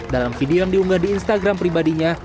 dalam video yang diunggah di instagram pribadinya